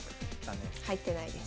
入ってないです。